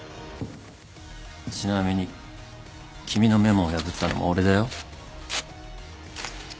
ちなみに君のメモを破ったのも俺だよ。